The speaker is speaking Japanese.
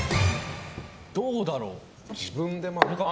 どうだろう？△。